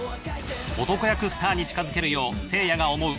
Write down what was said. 男役スターに近づけるよう、せいやが思う